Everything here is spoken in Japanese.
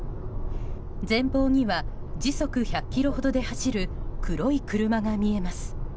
前方には時速１００キロほどで走る黒い車が見えます。